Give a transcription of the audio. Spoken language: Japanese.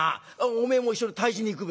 おめえも一緒に退治に行くべ？」。